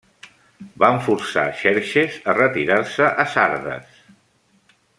Van forçar Xerxes a retirar-se a Sardes.